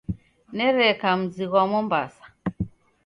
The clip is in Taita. Nereka mzi ghwa Mombasa.